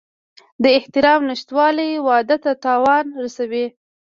د احترام نشتوالی واده ته تاوان رسوي.